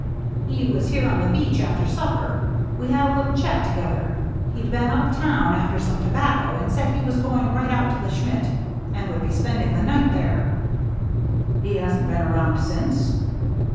" He was here on the beach after supper. We had a little chat together. He'd been up town after some tobacco, and said he was going right out to the Schmidt^ and would be spend ing the night there." " He hasn't been around since